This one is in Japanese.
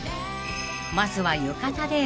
［まずは］